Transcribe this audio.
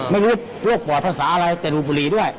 ไม่รู้โรคปอดภาษาอะไรแต่ดูบุหรี่ด้วย